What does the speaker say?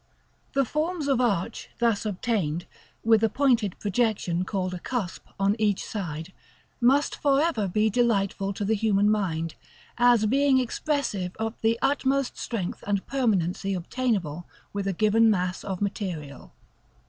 The forms of arch thus obtained, with a pointed projection called a cusp on each side, must for ever be delightful to the human mind, as being expressive of the utmost strength and permanency obtainable with a given mass of material.